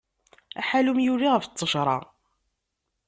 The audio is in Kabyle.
Aḥallum yuli ɣef ttejra.